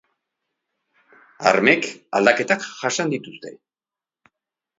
Armek aldaketak jasan dituzte.